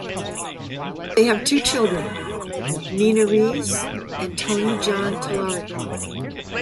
They have two children, Nina Reyes and Tony John Tallarico.